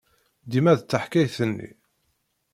Dima d taḥkayt-nni.